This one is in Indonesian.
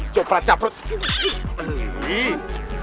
jangan di pegangin